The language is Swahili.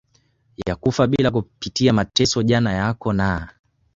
ya kufa bila kupitia mateso Jana yako na